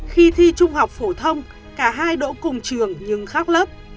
khi thi trung học phổ thông cả hai đỗ cùng trường nhưng khác lớp